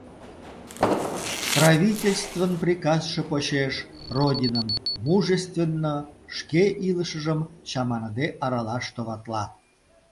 Правительствын приказше почеш Родиным мужественно, шке илышыжым чаманыде аралаш товатла.